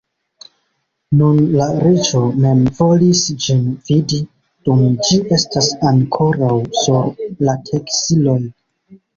Nun la reĝo mem volis ĝin vidi, dum ĝi estas ankoraŭ sur la teksiloj.